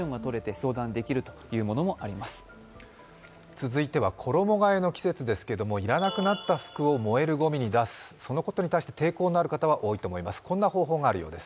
続いては衣替えの季節ですけれども、要らなくなった服を燃えるごみに出すそのことに対して抵抗のある方も多いと思います。